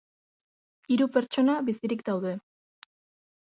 Hiru pertsona bizirik daude.